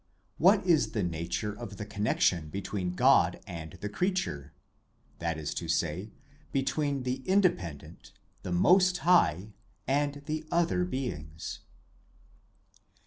What is the nature of the connection between God and the creature, that is to say, between the Independent, the Most High, and the other beings